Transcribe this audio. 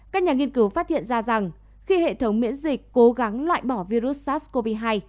các nhà nghiên cứu phát hiện ra rằng khi hệ thống miễn dịch cố gắng loại bỏ virus sars cov hai